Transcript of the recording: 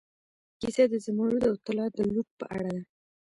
کیسه د زمرد او طلا د لوټ په اړه ده.